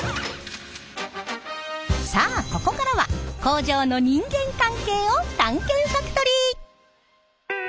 さあここからは工場の人間関係を探検ファクトリー！